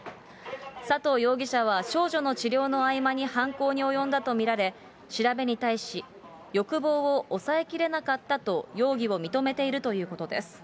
佐藤容疑者は少女の治療の合間に犯行に及んだと見られ、調べに対し、欲望を抑えきれなかったと容疑を認めているということです。